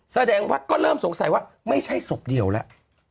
แสดงว่าก็เริ่มสงสัยว่า